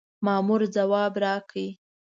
مامور ځواب راکړ.